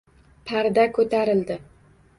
Parda ko‘tarildi.